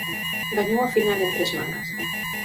Gañou a final en tres mangas.